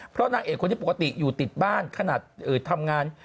เพราะนางเอกคนที่ปกติอยู่ติดบ้านขนาดทำงาน